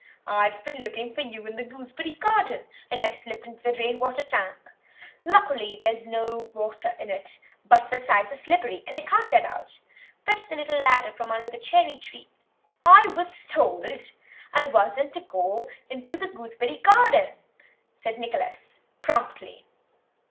I've been looking for you in the gooseberry garden, and I've slipped into the rain water tank. Luckily there's no water in it, but the sides are slippery and I can't get out. Fetch the little ladder from under the cherry tree—" "I was told I wasn't to go into the gooseberry garden," said Nicholas promptly.